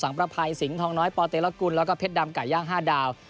ประภัยสิงห์ทองน้อยปเตรกุลแล้วก็เพชรดำไก่ย่าง๕ดาว